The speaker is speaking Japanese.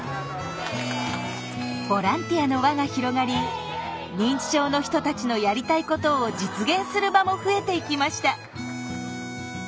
ボランティアの輪が広がり認知症の人たちのやりたいことを実現する場も増えていきました。